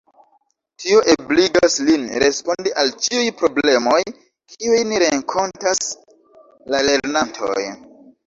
Tio ebligas lin respondi al ĉiuj problemoj kiujn renkontas la lernantoj.